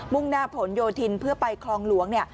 ่งหน้าผลโยธินเพื่อไปคลองหลวงเนี่ย